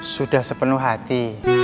sudah sepenuh hati